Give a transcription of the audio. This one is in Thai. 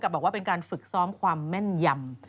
บอกว่าเป็นการฝึกซ้อมความแม่นยำ